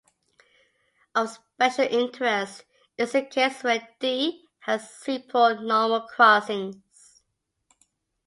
Of special interest is the case where "D" has simple normal crossings.